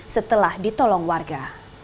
setelah ditolong warga